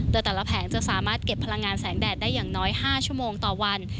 โดยแต่ละแผงจะสามารถเก็บพลังงานแสงแดดได้อย่างน้อย๕ชั่วโมงต่อวัน